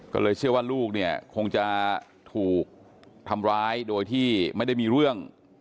ก็เลยเชื่อว่าลูกเนี่ยคงจะถูกทำร้ายโดยที่ไม่ได้มีเรื่อง